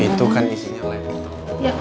itu kan isinya mak